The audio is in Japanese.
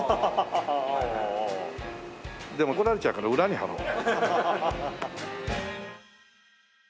でも怒られちゃうから裏に貼ろう。